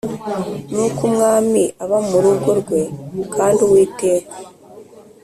Nuko umwami aba mu rugo rwe kandi Uwiteka